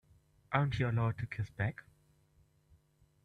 Aren't you allowed to kiss back?